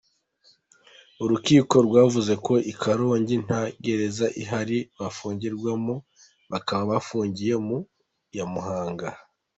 Urukiko rwavuze ko i Karongi nta gereza ihari bafungirwamo, bakaba bafungiye mu ya Muhanga.